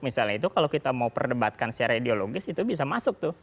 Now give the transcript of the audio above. misalnya itu kalau kita mau perdebatkan secara ideologis itu bisa masuk tuh